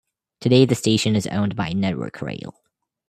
Today the station is owned by Network Rail.